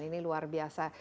ini luar biasa